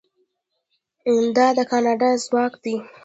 دا د کاناډا ځواک دی.